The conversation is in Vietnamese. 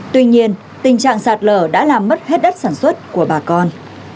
tuy nhiên tình trạng sạt lở đã làm mất hết đất sản xuất của bà con